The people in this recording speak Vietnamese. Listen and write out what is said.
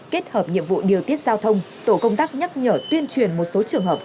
kết hợp nhiệm vụ điều tiết giao thông tổ công tác nhắc nhở tuyên truyền một số trường hợp